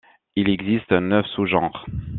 Il existe neuf sous-genres.